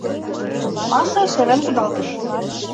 — Маша сырен кудалтыш.